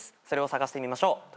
それを探してみましょう。